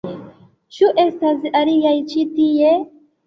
Ĉu estas aliaj ĉi tie?